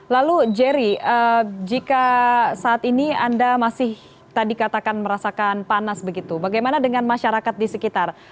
lalu jerry jika saat ini anda masih tadi katakan merasakan panas begitu bagaimana dengan masyarakat di sekitar